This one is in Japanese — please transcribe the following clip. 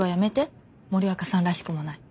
森若さんらしくもない。